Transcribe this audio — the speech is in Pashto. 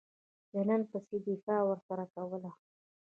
د نن په څېر دفاع ورڅخه کوله.